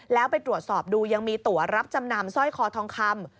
แล้วไปตรวจสอบดูยังมีตัวรับจำนำสร้อยคอทองคำ